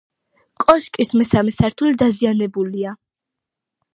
კოშკის მესამე სართული დაზიანებულია.